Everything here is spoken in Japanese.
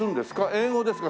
英語ですか？